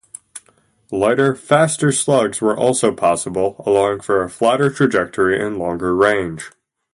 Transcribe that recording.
Lighter, faster slugs were also possible, allowing for a flatter trajectory and longer range.